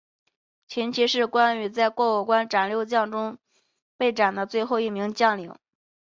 秦琪是关羽在过五关斩六将中被斩的最后一名将领。